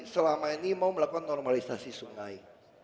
selama ini mau melakukan normalisasi sungai